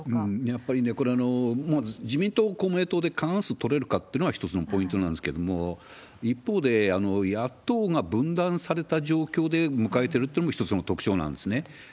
やっぱりね、これはもう自民党、公明党で過半数取れるかっていうのが一つのポイントなんですけれども、一方で野党が分断された状況で迎えてるっていうのも一つの特徴なんですね。